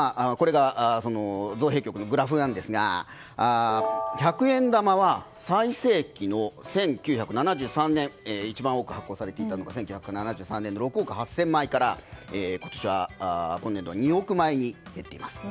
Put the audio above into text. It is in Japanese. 造幣局のグラフなんですが百円玉は最盛期の１９７３年一番多く発行されていたのが１９７３年の６億８０００枚から今年度は２億枚に減っています。